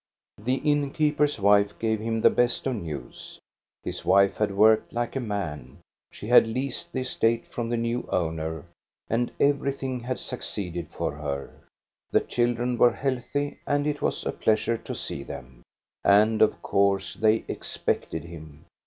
The innkeeper's wife gave him the best of news. His wife had worked like a man. She had leased the estate from the new owner, and everything had succeeded for her. The children were healthy, and it was a pleasure to see them. And of course they expected him.